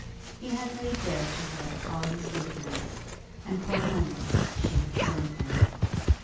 He had laid bare to her all his weakness, and for a moment she had spurned him.